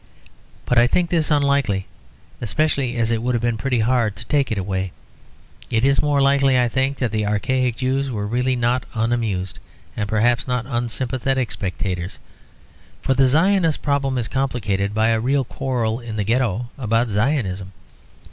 But I think this unlikely; especially as it would have been pretty hard to take it away. It is more likely, I think, that the archaic Jews were really not unamused and perhaps not unsympathetic spectators; for the Zionist problem is complicated by a real quarrel in the Ghetto about Zionism.